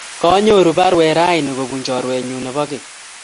Kanyoru parwet raini kopun chorwennyu nepo keny